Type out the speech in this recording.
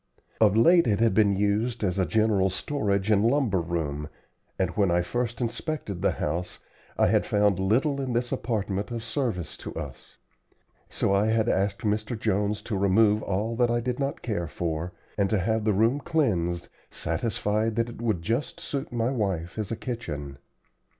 Of late it had been used as a general storage and lumber room, and when I first inspected the house, I had found little in this apartment of service to us. So I had asked Mr. Jones to remove all that I did not care for, and to have the room cleansed, satisfied that it would just suit my wife as a kitchen.